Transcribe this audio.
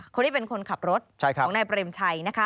คนที่เป็นคนขับรถของนายเปรมชัยนะคะ